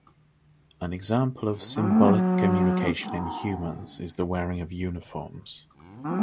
An example of symbolic communication in humans is the wearing of uniforms.